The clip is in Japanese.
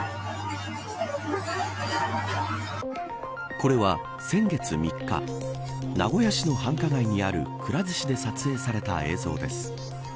これは、先月３日名古屋市の繁華街にあるくら寿司で撮影された映像です。